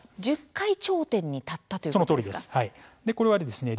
１０回頂点に立ったということですか。